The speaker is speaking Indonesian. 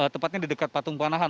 tepatnya di dekat patung panahan